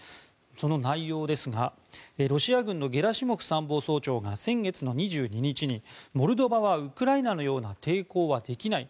その内容ですがロシア軍のゲラシモフ参謀総長が先月の２２日にモルドバはウクライナのような抵抗はできない。